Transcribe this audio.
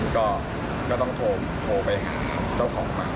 ก็ต้องโทรไปหาเจ้าของฝั่ง